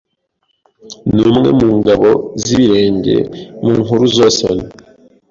ni umwe mu ngabo zibirenge mu nkuru zosen